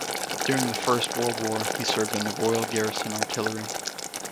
During the First World War he served in the Royal Garrison Artillery.